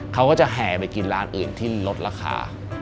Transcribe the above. เขาก็จะแห่ไปกินร้านอื่นที่ลดราคา